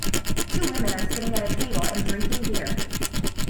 Two women are sitting at a table and drinking beer.